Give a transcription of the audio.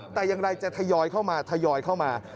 แต่อย่างไรจะทยอยเข้ามาทยอยเข้ามา